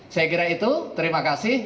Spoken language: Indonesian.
saya kira itu terima kasih